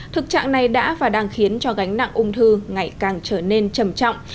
thực trạng này đã và đang khiến cho gánh nặng ung thư ngày càng trở nên trầm trọng